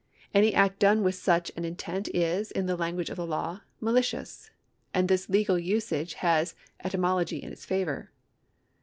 Any act done with such an intent is, in the language of the law, malicious, and this legal usage has etymology in its favour.